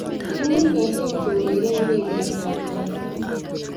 Kiimut meset kourereni ureriet ab karataek